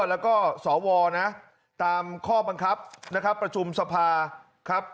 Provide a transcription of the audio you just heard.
แล้วก็สวนะตามข้อบังคับนะครับประชุมสภาครับ